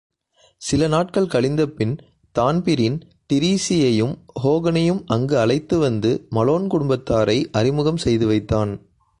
சிலநாட்கள் கழிந்தபின் தான்பிரீன் டிரீஸியையும் ஹோகனையும் அங்கு அழைத்து வந்து மலோன் குடும்பத்தாரை அறிமுகம் செய்துவைத்தான்.